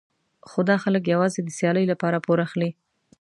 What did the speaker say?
خو دا خلک یوازې د سیالۍ لپاره پور اخلي.